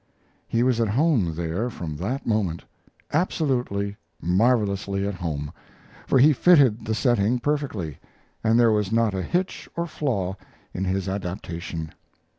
He was at home there from that moment absolutely, marvelously at home, for he fitted the setting perfectly, and there was not a hitch or flaw in his adaptation.